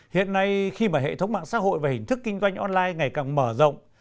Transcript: hiện nay khi mà hệ thống mạng xã hội và hình thức kinh doanh online ngày càng mở rộng